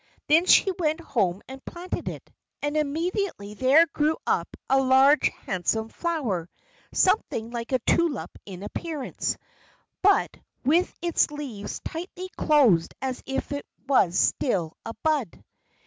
Then she went home and planted it, and immediately there grew up a large handsome flower, something like a tulip in appearance, but with its leaves tightly closed as if it was still a bud.